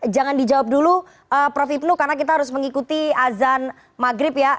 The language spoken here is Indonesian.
jangan dijawab dulu prof ibnu karena kita harus mengikuti azan maghrib ya